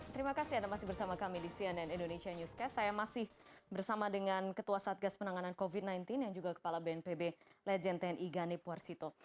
terima kasih anda masih bersama kami di cnn indonesia newscast saya masih bersama dengan ketua satgas penanganan covid sembilan belas yang juga kepala bnpb legend tni ganip warsito